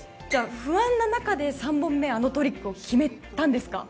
不安な中で３本目あのトリックを決めたんですか？